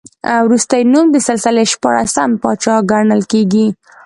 وروستی نوم د سلسلې شپاړسم پاچا ګڼل کېږي.